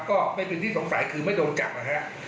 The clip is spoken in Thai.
ก็ไม่เป็นที่สงสัยคือไม่โดนจับนะฮะ